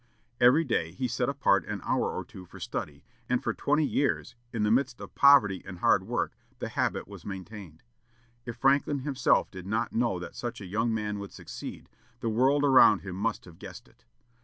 Every day he set apart an hour or two for study, and for twenty years, in the midst of poverty and hard work, the habit was maintained. If Franklin himself did not know that such a young man would succeed, the world around him must have guessed it.